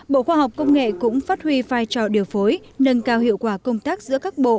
bộ khoa học công nghệ cũng phát huy vai trò điều phối nâng cao hiệu quả công tác giữa các bộ